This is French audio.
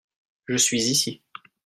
Je suis ici.